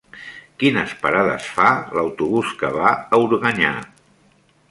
Quines parades fa l'autobús que va a Organyà?